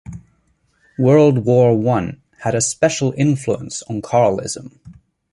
World War One had a special influence on Carlism.